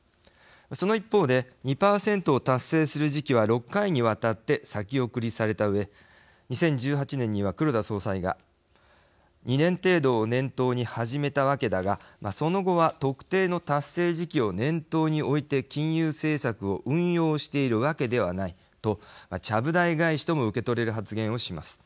その一方で２％を達成する時期は６回にわたって先送りされたうえ２０１８年には黒田総裁が２年程度を念頭に始めたわけだがその後は特定の達成時期を念頭に置いて金融政策を運用しているわけではないとちゃぶ台返しとも受け取れる発言をします。